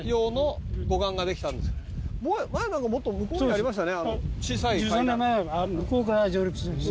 前なんかもっと向こうにありましたよね。